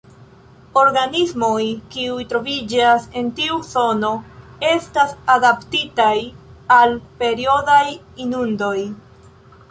Organismoj kiuj troviĝas en tiu zono estas adaptitaj al periodaj inundoj.